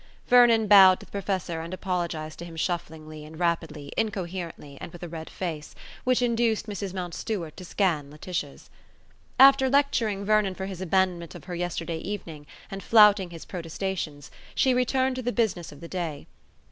Vernon bowed to the Professor and apologized to him shufflingly and rapidly, incoherently, and with a red face; which induced Mrs. Mountstuart to scan Laetitia's. After lecturing Vernon for his abandonment of her yesterday evening, and flouting his protestations, she returned to the business of the day.